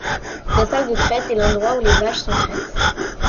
La salle de traite est l'endroit où les vaches sont traites.